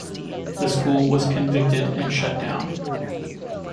The school was convicted and shut down.